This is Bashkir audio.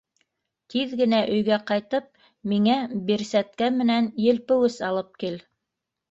Тиҙ генә өйгә ҡайтып, миңә бирсәткә менән елпеүес алып кил!